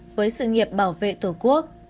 với sự nghiệp bảo vệ tổ quốc